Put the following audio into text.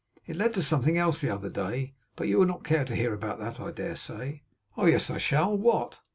It led to something else the other day; but you will not care to hear about that I dare say?' 'Oh yes I shall. What?